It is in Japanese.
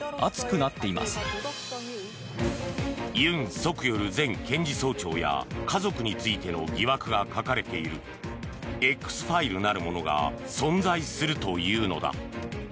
ソクヨル前検事総長や家族についての疑惑が書かれているＸファイルなるものが存在するというのだ。